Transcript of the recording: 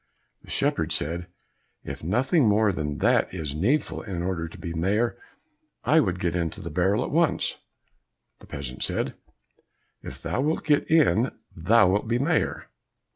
The shepherd said, "If nothing more than that is needful in order to be Mayor, I would get into the barrel at once." The peasant said, "If thou wilt get in, thou wilt be Mayor."